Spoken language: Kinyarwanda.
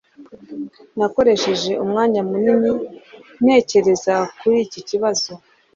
Nakoresheje umwanya munini ntekereza kuri iki kibazo